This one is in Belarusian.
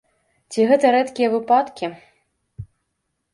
Ці гэта рэдкія выпадкі?